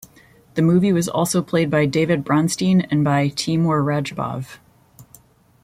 The move was also played by David Bronstein and by Teimour Radjabov.